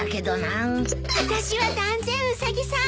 あたしは断然ウサギさん。